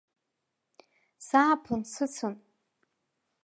Сааԥын сыцын.